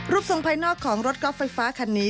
รูปส่งภายนอกของรถกรอบไฟฟ้าคันนี้